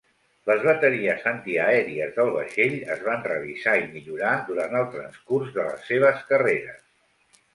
Les bateries antiaèries del vaixell es van revisar i millorar durant el transcurs de les seves carreres.